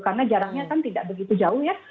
karena jaraknya kan tidak begitu jauh ya